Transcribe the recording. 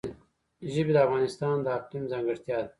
ژبې د افغانستان د اقلیم ځانګړتیا ده.